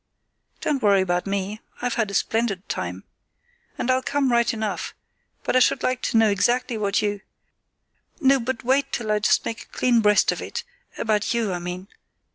"Don't worry about me; I've had a splendid time. And I'll come right enough; but I should like to know exactly what you——" "No; but wait till I just make a clean breast of it—about you, I mean.